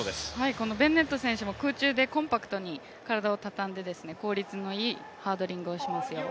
このベンネット選手も空中でコンパクトに体をたたんで効率のいいハードリングをしますよ。